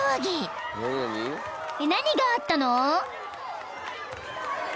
［何があったの？］